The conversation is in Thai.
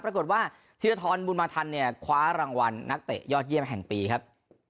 ปรากฏว่าธีรทรบุญมาทันเนี่ยคว้ารางวัลนักเตะยอดเยี่ยมแห่งปีครับ